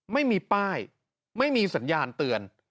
ไม่มีป้ายไม่มีสัญญาณเตือน